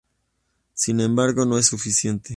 Sin embargo no es suficiente.